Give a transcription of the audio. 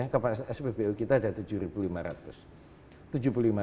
kapasitas spbu kita ada tujuh lima ratus